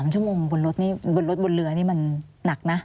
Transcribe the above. ชั่วโมงบนรถนี่บนรถบนเรือนี่มันหนักนะ